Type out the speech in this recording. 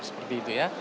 seperti itu ya